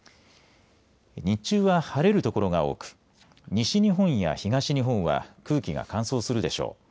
日中は晴れる所が多く西日本や東日本は空気が乾燥するでしょう。